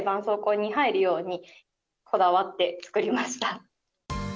そうこうに入るように、こだわって作りました。